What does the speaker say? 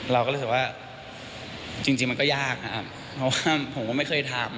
เราก็รู้สึกว่าจริงมันก็ยากนะครับเพราะว่าผมก็ไม่เคยทำ